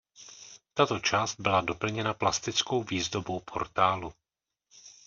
Tato část byla doplněna plastickou výzdobou portálu.